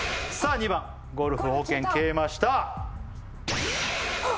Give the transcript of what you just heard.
２番ゴルフ保険消えましたあっ